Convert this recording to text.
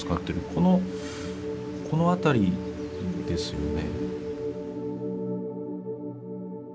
このこの辺りですよね。